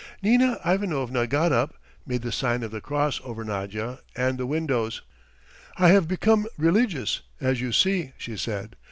Nina Ivanovna got up, made the sign of the cross over Nadya and the windows. "I have become religious, as you see," she said.